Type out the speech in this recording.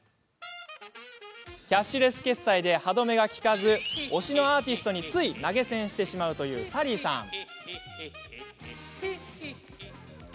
キャッシュレス決済で歯止めが利かず推しのアーティストについ投げ銭してしまうというサリーさん。